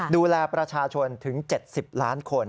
ดูแลประชาชนถึง๗๐ล้านคน